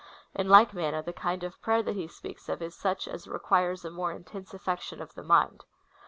In like manner, the kind 0^ prayer that he speaks of is such as requires a more intense affection of the mind.